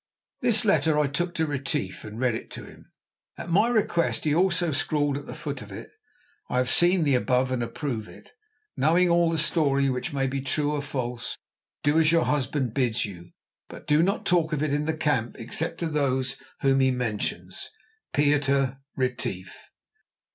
This letter I took to Retief, and read it to him. At my request, also, he scrawled at the foot of it: "I have seen the above and approve it, knowing all the story, which may be true or false. Do as your husband bids you, but do not talk of it in the camp except to those whom he mentions.—PIETER RETIEF."